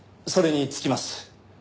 それに尽きます。